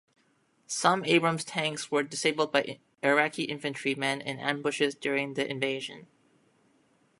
Some Abrams tanks were disabled by Iraqi infantrymen in ambushes during the invasion.